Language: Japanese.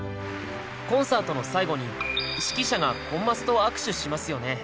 コンサートの最後に指揮者がコンマスと握手しますよね。